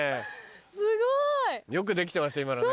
すごい！よくできてました今のね。